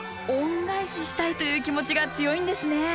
恩返ししたいという気持ちが強いんですね。